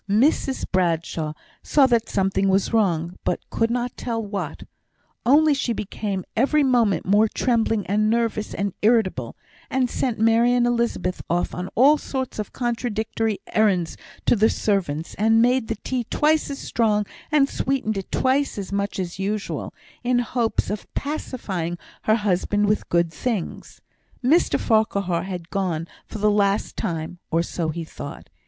Mrs Bradshaw saw that something was wrong, but could not tell what; only she became every moment more trembling, and nervous, and irritable, and sent Mary and Elizabeth off on all sorts of contradictory errands to the servants, and made the tea twice as strong, and sweetened it twice as much as usual, in hopes of pacifying her husband with good things. Mr Farquhar had gone for the last time, or so he thought.